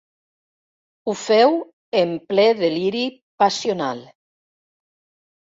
Ho feu en ple deliri passional.